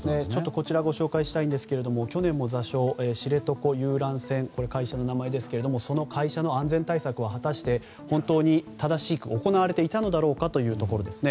こちらご紹介したいんですが去年も座礁知床遊覧船という会社ですがその会社の安全対策は果たして本当に正しく行われていたのかです。